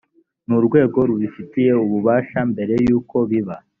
n urwego rubifitiye ububasha mbere y uko biba